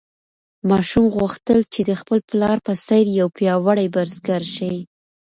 ماشوم غوښتل چې د خپل پلار په څېر یو پیاوړی بزګر شي.